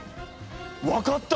わかった！